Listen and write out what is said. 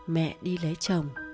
mẹ đi lấy chồng